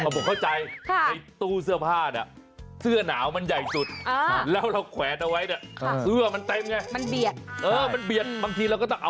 บอกเข้าใจ